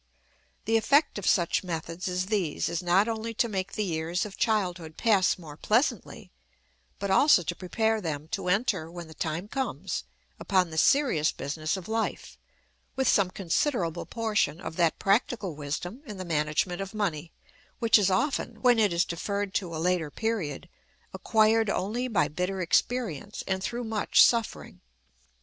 The effect of such methods as these is not only to make the years of childhood pass more pleasantly, but also to prepare them to enter, when the time comes, upon the serious business of life with some considerable portion of that practical wisdom in the management of money which is often, when it is deferred to a later period, acquired only by bitter experience and through much suffering.